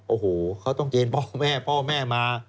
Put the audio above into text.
โอ้โหเขาต้องเกณฑ์พ่อแม่พ่อแม่มา